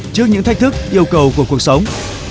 trước những thách thức yêu cầu của cuộc sống